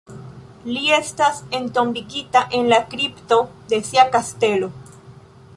Li estas entombigita en la kripto de sia kastelo.